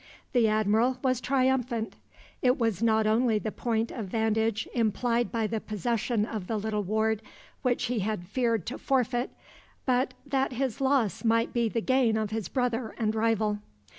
The Admiral was triumphant. It was not only the point of vantage implied by the possession of the little ward which he had feared to forfeit, but that his loss might be the gain of his brother and rival.